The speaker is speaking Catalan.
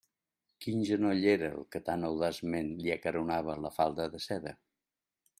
Quin genoll era el que tan audaçment li acaronava la falda de seda?